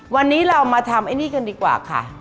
วันนี้เรามาทำไอ้นี่กันดีกว่าค่ะ